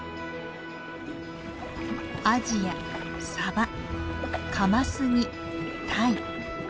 アジやサバカマスにタイ。